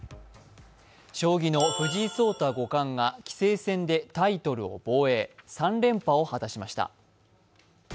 将棋の藤井聡太五冠が棋聖戦でタイトルを防衛、３連覇を果たしました。